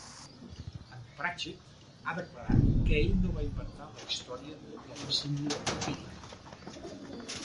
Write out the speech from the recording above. En Pratchett ha declarat que ell no va inventar la història de la síndria vampírica.